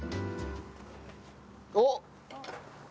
おっ！